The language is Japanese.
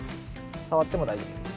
触っても大丈夫です。